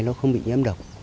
nó không bị nhấm độc